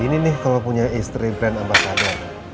ini nih kalo punya istri brand ambasada